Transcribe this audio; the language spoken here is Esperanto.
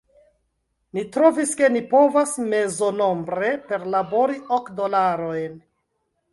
Ni trovis, ke ni povas mezonombre perlabori ok dolarojn.